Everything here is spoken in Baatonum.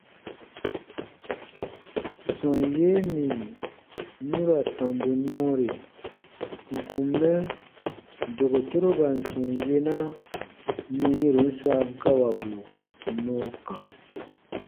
Sɔm yee nì nu ra tɔmbu nɔɔri ǹ kun mɛ dokotoroban sɔm yena nù yɛ̃ron swa gawabu nɔɔ kã.